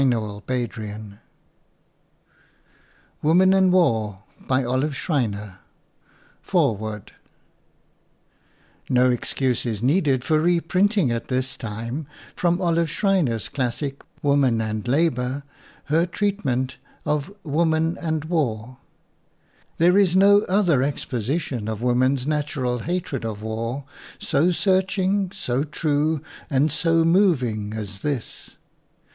STOKES COMPANY All rights reserved November, 1914 FOREWORD No excuse is needed for reprinting at this time from Olive Schreiner's classic, "WOMAN AND LABOR," her treatment of "Woman and War." There is no other exposition of wom en's natural hatred of war so searching, so true and so moving as this.